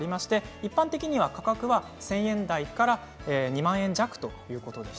一般的に価格は１０００円台から２万円弱です。